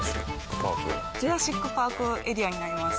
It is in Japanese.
ジュラシック・パークエリアになります。